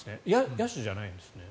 野手じゃないんですね。